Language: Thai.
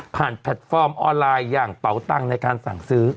แพลตฟอร์มออนไลน์อย่างเป๋าตังค์ในการสั่งซื้อ